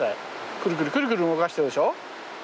くるくるくるくる動かしてるでしょ。